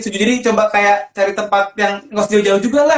jadi coba kayak cari tempat yang nggak sejauh jauh juga lah